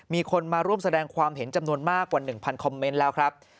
มีคนมาร่วมแสดงความเห็นจำนวนมากกว่า๑๐๐คอมเมนต์แล้วครับ